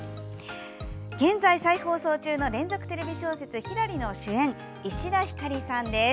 現在、再放送中の連続テレビ小説「ひらり」の主演、石田ひかりさんです。